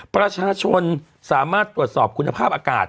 ประชาชนสามารถตรวจสอบคุณภาพอากาศ